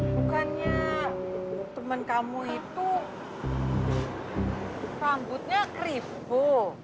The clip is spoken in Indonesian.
bukannya temen kamu itu rambutnya keribu